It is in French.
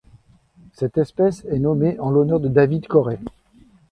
Cette espèce est nommée en l'honneur de David Corey.